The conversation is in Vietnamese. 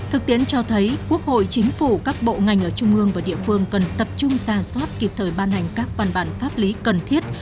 thực tiễn cho thấy quốc hội chính phủ các bộ ngành ở trung ương và địa phương cần tập trung ra soát kịp thời ban hành các văn bản pháp lý cần thiết